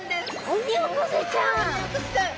オニオコゼちゃん。